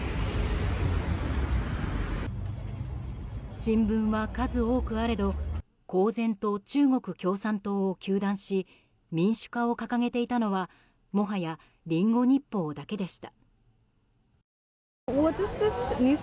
新聞は数多くあれど公然と中国共産党を糾弾し民主化を掲げていたのはもはやリンゴ日報だけでした。